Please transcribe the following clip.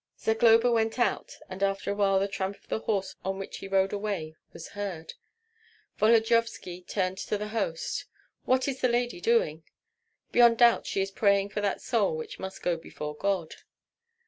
Zagloba went out, and after a while the tramp of the horse on which he rode away was heard. Volodyovski turned to the host. "What is the lady doing?" "Beyond doubt she is praying for that soul which must go before God."